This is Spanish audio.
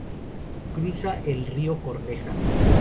Cruza el río Corneja.